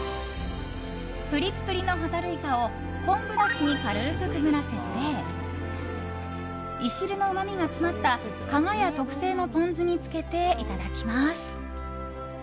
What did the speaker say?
プリップリのホタルイカを昆布だしに軽くくぐらせていしるのうまみが詰まった加賀屋特製のポン酢につけていただきます。